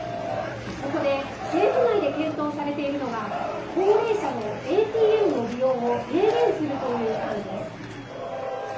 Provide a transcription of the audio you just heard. そこで政府内で検討されているのが高齢者のＡＴＭの利用を制限するという案です。